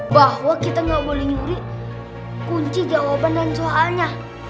bahwa kita nggak boleh nyuri kunci jawaban dan soalnya